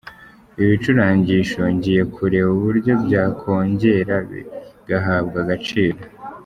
Ibi bicurangisho ngiye kureba uburyo byakongera bigahabwa agaciro.